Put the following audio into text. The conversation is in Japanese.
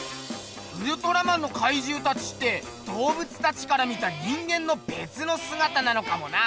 ウルトラマンのかいじゅうたちって動物たちから見た人間のべつのすがたなのかもな。